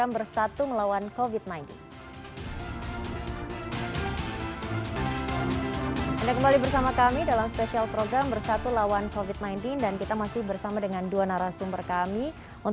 banyak banyak mungkin